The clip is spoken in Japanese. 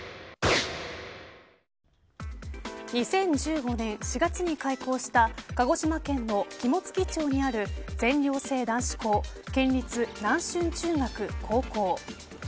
２０１５年４月に開校した鹿児島県の肝付町にある全寮制男子校県立楠隼中学・高校。